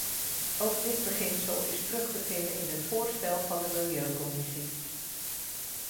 Ook dit beginsel is terug te vinden in het voorstel van de milieucommissie.